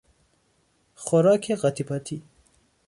خوارک قاتی پاتی